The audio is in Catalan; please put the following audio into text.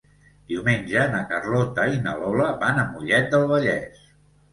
Diumenge na Carlota i na Lola van a Mollet del Vallès.